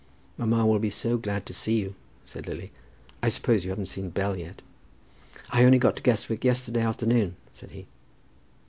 "Mamma will be so glad to see you," said Lily. "I suppose you haven't seen Bell yet?" "I only got to Guestwick yesterday afternoon," said he.